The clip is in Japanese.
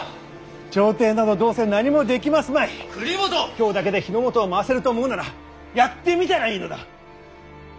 京だけで日の本を回せると思うならやってみたらいいのだ！